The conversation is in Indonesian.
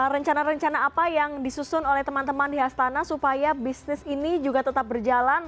rencana rencana apa yang disusun oleh teman teman di hastana supaya bisnis ini juga tetap berjalan